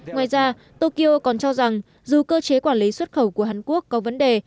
ngoài ra tokyo còn cho rằng dù cơ chế quản lý xuất khẩu của hàn quốc có vấn đề